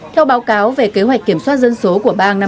theo báo cáo về kế hoạch kiểm soát dân số của bang năm hai nghìn hai mươi